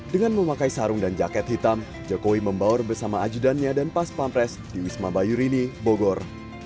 dengan memakai sarung dan jaket hitam jokowi membawar bersama ajudannya dan pas pampres di wisma bayurini bogor